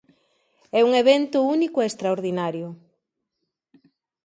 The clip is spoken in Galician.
É un evento único e extraordinario.